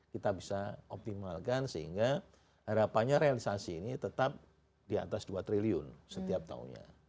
kita bisa optimalkan sehingga harapannya realisasi ini tetap di atas dua triliun setiap tahunnya